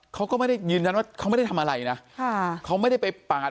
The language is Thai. เขาก็ไม่ได้ยืนยันว่าเขาไม่ได้ทำอะไรนะค่ะเขาไม่ได้ไปปาด